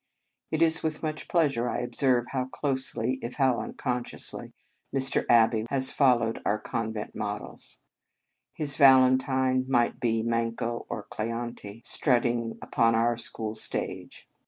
It is with much plea sure I observe how closely if how unconsciously Mr. Abbey has fol lowed our convent models. His Val entine might be Manco or Cleante strutting upon our school stage.